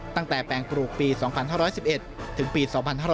ตั้งแต่แปลงปลูกปี๒๑๑๑ถึงปี๒๕๒๗